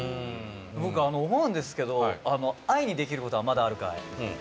僕、思うんですけど『愛にできることはまだあるかい』。